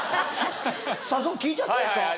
早速聞いちゃっていいですか？